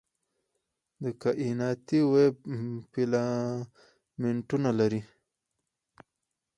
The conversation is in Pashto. د کائناتي ویب فیلامنټونه لري.